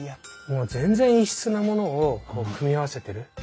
もう全然異質なものをこう組み合わせてる。